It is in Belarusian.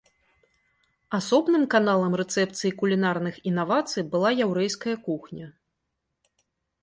Асобным каналам рэцэпцыі кулінарных інавацый была яўрэйская кухня.